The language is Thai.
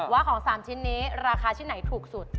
ว่าของ๓ชิ้นนี้ราคาชิ้นไหนถูกสุด